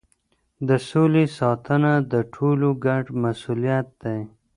د سولې ساتنه د ټولو ګډ مسؤلیت دی.